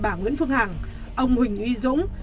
bà nguyễn phương hằng ông huỳnh uy dũng